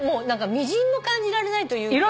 みじんも感じられないというか。